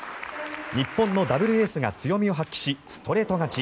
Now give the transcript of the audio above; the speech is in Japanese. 日本のダブルエースが強みを発揮し、ストレート勝ち。